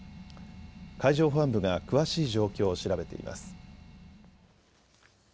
海上保安部が詳しい状況を調べています。